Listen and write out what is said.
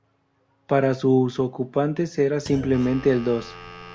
Para sus ocupantes era simplemente "el dos".